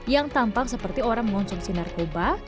yang tampak seperti orang mengonsumsi narkoba